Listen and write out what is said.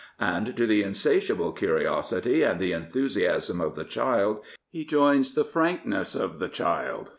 And to the insatiable curiosity and the enthusiasm of the child he joins the frankness of the child.